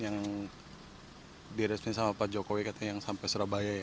yang diresmin oleh pak jokowi yang sampai surabaya